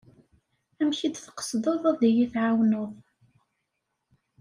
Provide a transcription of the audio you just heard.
Amek i d-tqesdeḍ ad yi-tɛawneḍ?